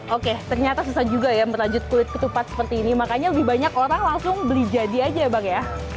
oke ternyata susah juga ya berlanjut kulit ketupat seperti ini makanya lebih banyak orang langsung beli jadi aja ya bang ya